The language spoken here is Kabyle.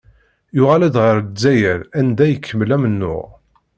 Yuɣal-d ɣer Lezzayer anda ikemmel amennuɣ.